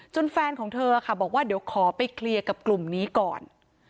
แฟนของเธอค่ะบอกว่าเดี๋ยวขอไปเคลียร์กับกลุ่มนี้ก่อน